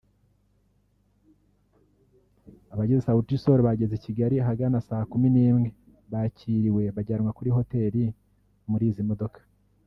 Abagize SautiSol bageze i Kigali ahagana saa kumi n'imwe bakiriwe bajyanwa kuri Hotel muri izi modoka